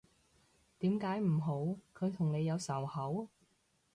點解唔好，佢同你有仇口？